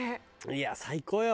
いや最高よ。